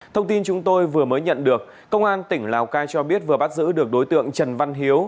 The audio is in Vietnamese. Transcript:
thông tin chúng tôi vừa mới nhận được công an tỉnh lào cai cho biết vừa bắt giữ được đối tượng trần văn hiếu